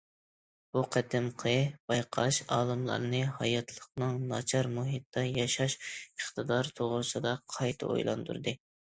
بۇ قېتىمقى بايقاش ئالىملارنى ھاياتلىقنىڭ ناچار مۇھىتتا ياشاش ئىقتىدارى توغرىسىدا قايتا ئويلاندۇردى.